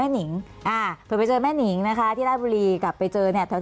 หนิงอ่าเผื่อไปเจอแม่นิงนะคะที่ราชบุรีกลับไปเจอเนี่ยแถว